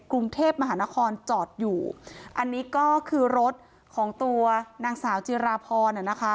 กรุงเทพมหานครจอดอยู่อันนี้ก็คือรถของตัวนางสาวจิราพรน่ะนะคะ